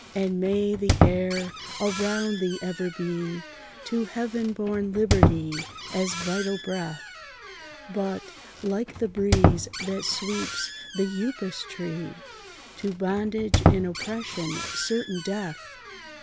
And may the air around thee ever be To heaven born Liberty as vital breath; But, like the breeze that sweeps the Upas tree, To Bondage and Oppression certain death!